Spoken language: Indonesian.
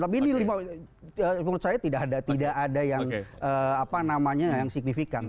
tapi ini menurut saya tidak ada yang signifikan